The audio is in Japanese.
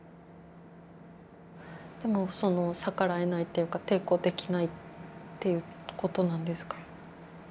でもその逆らえないっていうか抵抗できないっていうことなんですか。